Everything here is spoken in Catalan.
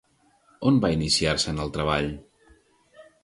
On va iniciar-se en el treball?